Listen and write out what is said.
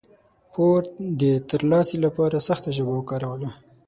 پور د ترلاسي لپاره سخته ژبه وکاروله.